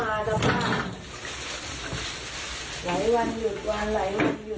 หลายวันหยุดวันหลายวันหยุด